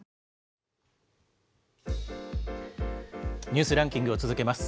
ニュースランキングを続けます。